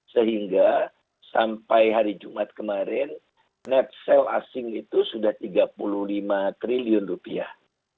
sehingga sampai hari jumat kemarin net sale asing itu sudah tiga puluh lima triliun rupiah